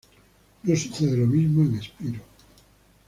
No sucede lo mismo en Spyro.